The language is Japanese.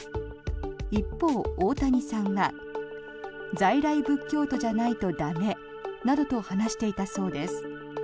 一方、大谷さんは在来仏教徒じゃないと駄目などと話していたそうです。